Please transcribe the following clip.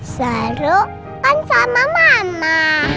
seru kan sama mama